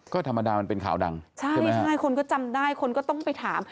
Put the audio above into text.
ก็ธรรมดามันเป็นข่าวดังใช่ไม่ใช่คนก็จำได้คนก็ต้องไปถาม